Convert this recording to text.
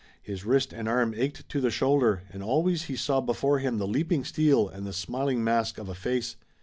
His wrist and arm ached to the shoulder, and always he saw before him the leaping steel and the smiling mask of a face.